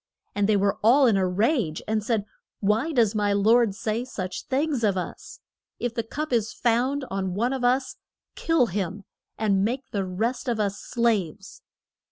And they were all in a rage, and said: Why does my lord say such things of us? If the cup is found on one of us, kill him; and make the rest of us slaves.